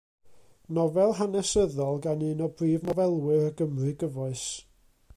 Nofel hanesyddol gan un o brif nofelwyr y Gymru gyfoes.